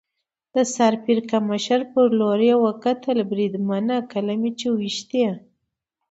د سر پړکمشر په لور یې وکتل، بریدمنه، کله چې مې وېشتی.